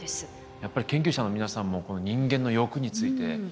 やっぱり研究者の皆さんも人間の欲について知りたいと。